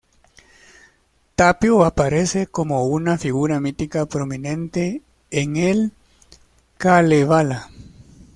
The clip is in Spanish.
Tapio aparece como una figura mítica prominente en el "Kalevala".